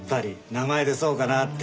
名前でそうかなって。